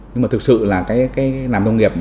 nhưng mà thực sự là làm nông nghiệp